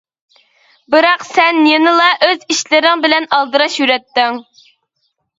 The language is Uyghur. بىراق سەن يەنىلا ئۆز ئىشلىرىڭ بىلەن ئالدىراش يۈرەتتىڭ.